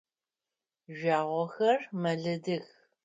Жъуагъохэр мэлыдых.